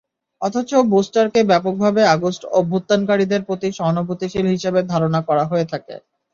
অথচ বোস্টারকে ব্যাপকভাবে আগস্ট অভ্যুত্থানকারীদের প্রতি সহানুভূতিশীল হিসেবে ধারণা করা হয়ে থাকে।